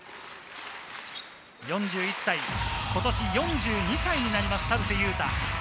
４１歳、今年４２歳になります、田臥勇太。